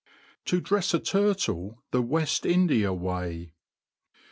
To drefs a Turtle the Wajl India Way.